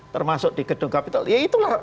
termasuk di gedung kapital ya itulah